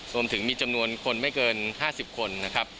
รวมถึงมีจำนวนคนไม่เกิน๕๐คนนะครับ